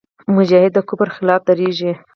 مجاهد د کفر خلاف درېږي.